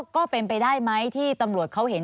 ก็เป็นไปได้ไหมที่ตำรวจเขาเห็น